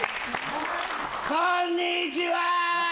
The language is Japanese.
こんにちは！